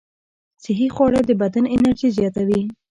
صحي خواړه د بدن انرژي زیاتوي.